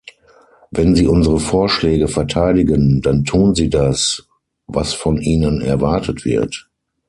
Wenn sie unsere Vorschläge verteidigen, dann tun sie das, was von ihnen erwartet wird.